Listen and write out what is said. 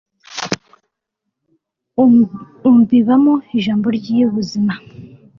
umbibamo ijambo ry'ubuzima